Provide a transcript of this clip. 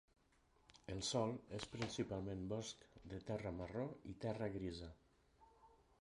El sòl és principalment bosc de terra marró i terra grisa.